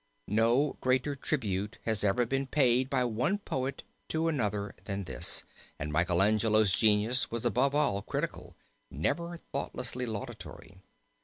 No greater tribute has ever been paid by one poet to another than this, and Michael Angelo's genius was above all critical, never thoughtlessly laudatory.